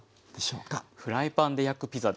フライパンで焼くピザです。